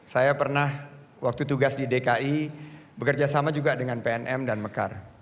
saya pernah waktu tugas di dki bekerja sama juga dengan pnm dan mekar